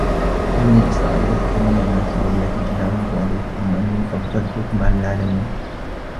يا بني إسرائيل اذكروا نعمتي التي أنعمت عليكم وأني فضلتكم على العالمين